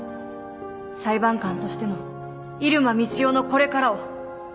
裁判官としての入間みちおのこれからを。